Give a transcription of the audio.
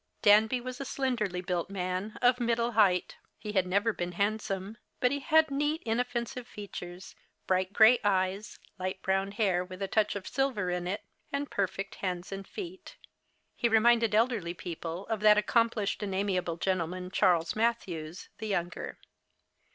Danby was a slenderly built man, of middle height. He had never been handsome, but he had neat, inoffensive features, bright grey eyes, light brown hair, with a touch of silver in it, and perfect hands and feet. He reminded elderly people of that accomplished and amiable gentle man, Charles Matthews, the younger.